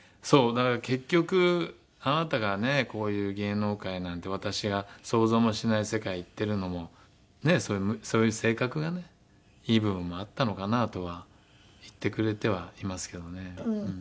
だから結局あなたがねこういう芸能界なんて私が想像もしない世界行ってるのもそういう性格がねいい部分もあったのかなとは言ってくれてはいますけどね。